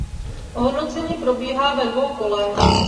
Hodnocení probíhá ve dvou kolech.